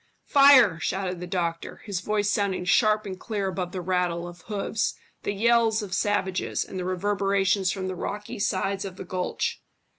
"Fire!" shouted the doctor, his voice sounding sharp and clear above the rattle, of hoofs, the yells of the savages, and the reverberations from the rocky sides of the gulch.